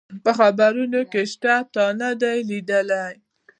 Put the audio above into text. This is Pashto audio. په خبرونو کي شته، تا نه دي لیدلي؟